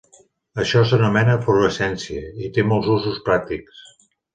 Això s'anomena "fluorescència", i té molts usos pràctics.